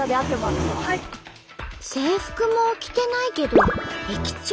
制服も着てないけど駅長？